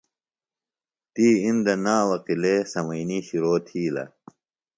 تی اِندہ ناوہ قِلعے سمئنی شِرو تِھیلہ